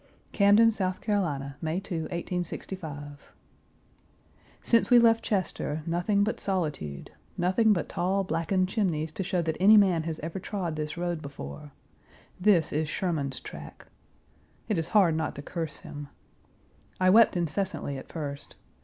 CAMDEN, S. C. May 2,1865 August 2, 1865 CAMDEN, S. C., May 2, 1865. Since we left Chester nothing but solitude, nothing but tall blackened chimneys, to show that any man has ever trod this road before. This is Sherman's track. It is hard not to curse him. I wept incessantly at first.